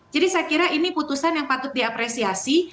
jadi saya kira ini putusan yang patut diapresiasi